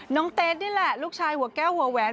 เตสนี่แหละลูกชายหัวแก้วหัวแหวน